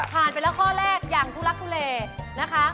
ไปแล้วข้อแรกอย่างทุลักทุเลนะคะ